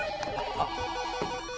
あっ。